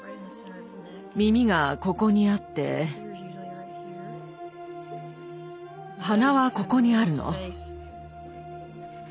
耳がここにあって鼻はここにあるの。